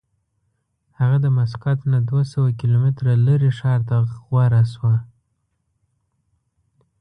هغه د مسقط نه دوه سوه کیلومتره لرې ښار ته غوره شوه.